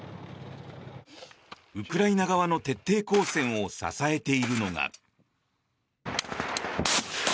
ウクライナ側の徹底抗戦を支えているのが。